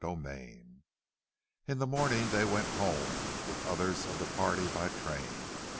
CHAPTER IX. In the morning they went home with others of the party by train.